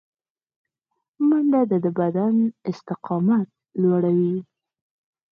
منډه د بدن استقامت لوړوي